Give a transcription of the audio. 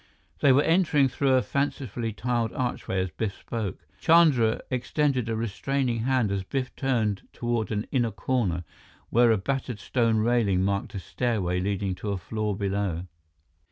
They were entering through a fancifully tiled archway as Biff spoke. Chandra extended a restraining hand as Biff turned toward an inner corner, where a battered stone railing marked a stairway leading to a floor below.